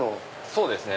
そうですね。